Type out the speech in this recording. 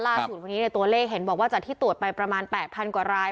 คนนี้ในตัวเลขเห็นบอกว่าจากที่ตรวจไปประมาณ๘๐๐กว่าราย